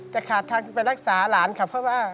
จะขาดทางไปรักษาหลานค่ะเพราะว่า